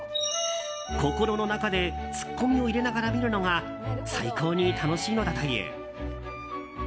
心の中でツッコミを入れながら見るのが最高に楽しいのだという。